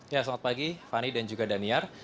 ya selamat pagi fani dan juga daniar